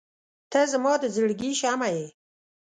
• ته زما د زړګي شمعه یې.